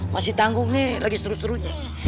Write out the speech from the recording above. masih tanggung nih lagi seru serunya